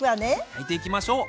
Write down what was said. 焼いていきましょう。